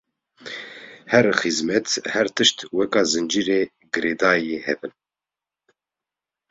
her xîzmet her tişt weka zincîrê girêdayî hev in.